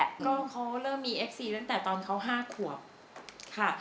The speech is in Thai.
ก็เขาเริ่มมีเอฟซีตั้งแต่ตอนเขา๕ขวบค่ะ